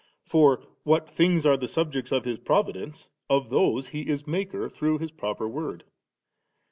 For what things are the subjects of His Providence, of those He is Maker through His proper Word.